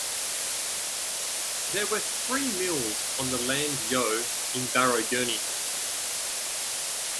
There were three mills on the Land Yeo in Barrow Gurney.